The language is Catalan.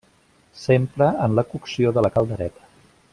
S'empra en la cocció de la caldereta.